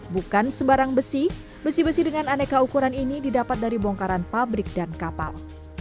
bukan sembarang besi besi besi dengan aneka ukuran ini didapat dari bongkaran pabrik dan kapal